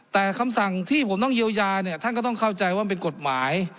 แต่คำสั่งที่ผมต้องเยียวยาเนี่ยท่านก็ต้องเข้าใจว่ามันเป็นกฎหมาย